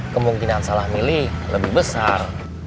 kemungkinan salah milih lebih besar